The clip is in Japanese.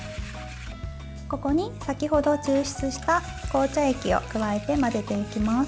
ここに先ほど抽出した紅茶液を加えて混ぜていきます。